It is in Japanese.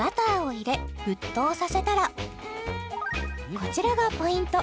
こちらがポイント